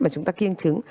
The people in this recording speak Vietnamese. mà chúng ta kiêng trứng